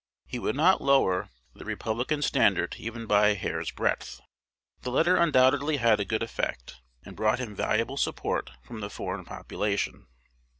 He would not lower "the Republican standard even by a hair's breadth." The letter undoubtedly had a good effect, and brought him valuable support from the foreign population.